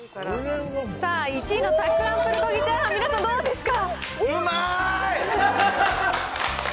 さあ、１位のたくあんプルコギチャーハン、皆さん、どうですか？